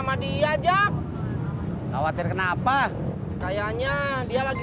sayang seorang pengecuali